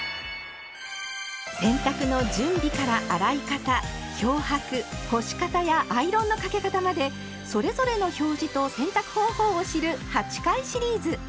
洗濯の準備から洗い方漂白干し方やアイロンのかけ方までそれぞれの表示と洗濯方法を知る８回シリーズ。